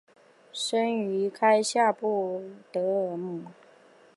生于兰开夏郡奥尔德姆。